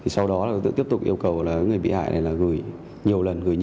sau đó là tiếp tục yêu cầu người bị hại này gửi